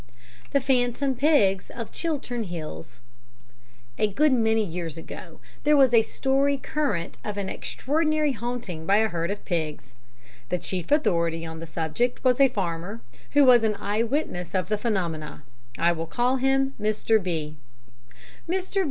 The Phantom Pigs of the Chiltern Hills A good many years ago there was a story current of an extraordinary haunting by a herd of pigs. The chief authority on the subject was a farmer, who was an eye witness of the phenomena. I will call him Mr. B. Mr.